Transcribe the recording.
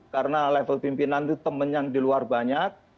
karena level pimpinan itu temen yang di luar banyak